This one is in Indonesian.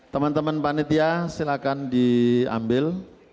teman teman panitia silakan diambil